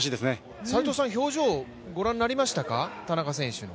田中選手の表情、ご覧になりましたか？